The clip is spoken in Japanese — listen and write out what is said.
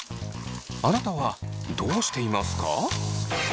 あなたはどうしていますか？